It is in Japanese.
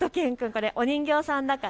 お人形さんだから。